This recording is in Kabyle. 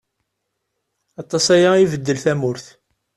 Aṭas aya i ibeddel tamurt.